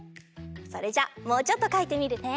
それじゃあもうちょっとかいてみるね。